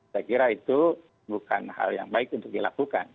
saya kira itu bukan hal yang baik untuk dilakukan